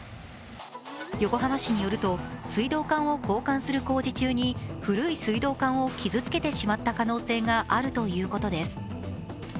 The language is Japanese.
横浜市によると水道管を交換する工事中に古い水道管を傷つけてしまった可能性があるということです。